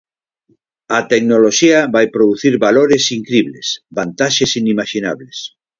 A tecnoloxía vai producir valores incribles, vantaxes inimaxinables.